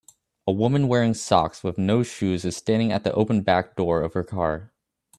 A woman wearing socks with no shoes is standing at the open back door of her car